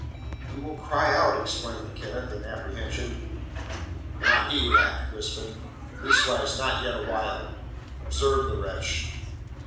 "He will cry out," exclaimed Kenneth, in apprehension. "Not he," laughed Crispin. "Leastways, not yet awhile. Observe the wretch."